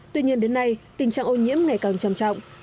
tuy nhiên đến nay tình trạng ô nhiễm ngày càng trầm trọng